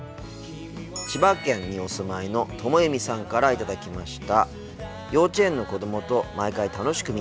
千葉県にお住まいのともゆみさんから頂きました。